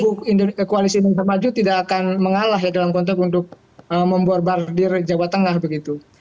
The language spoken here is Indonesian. kubu koalisi indonesia maju tidak akan mengalah ya dalam konteks untuk memborbardir jawa tengah begitu